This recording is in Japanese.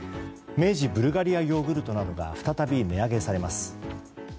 明治ブルガリアヨーグルトなどが再び値上げされます。